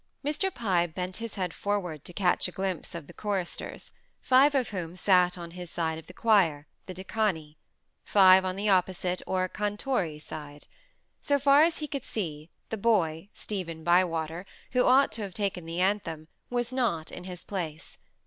Mr. Pye bent his head forward to catch a glimpse of the choristers, five of whom sat on his side of the choir, the decani; five on the opposite, or cantori side. So far as he could see, the boy, Stephen Bywater, who ought to have taken the anthem, was not in his place.